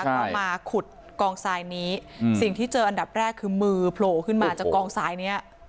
เข้ามาขุดกองทรายนี้สิ่งที่เจออันดับแรกคือมือโผล่ขึ้นมาจากกองทรายเนี้ย